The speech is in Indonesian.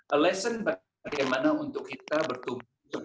a lesson bagaimana untuk kita bertumbuh